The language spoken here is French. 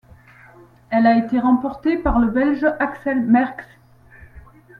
Elle a été remportée par le Belge Axel Merckx.